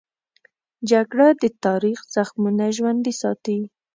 جګړه د تاریخ زخمونه ژوندي ساتي